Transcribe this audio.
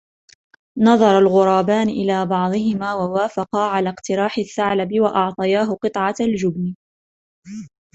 نظر الغرابان إلى بعضهما ووافقا على اقتراح الثعلب وأعطياه قطعة الجبن